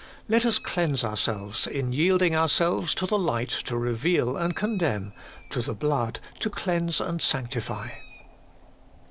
Let us cleanse ourselves in yielding ourselves to the light to reveal and con demn, to the blood to cleanse and sanctify.